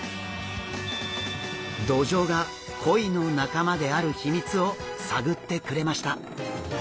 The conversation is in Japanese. ドジョウがコイの仲間である秘密を探ってくれました。